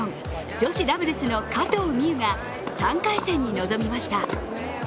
女子ダブルスの加藤未唯が３回戦に臨みました。